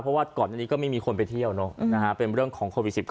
เพราะว่าก่อนอันนี้ก็ไม่มีคนไปเที่ยวเป็นเรื่องของโควิด๑๙